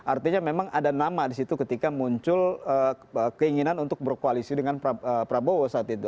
artinya memang ada nama di situ ketika muncul keinginan untuk berkoalisi dengan prabowo saat itu